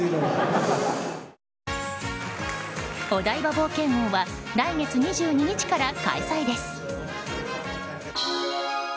冒険王は来月２２日から開催です。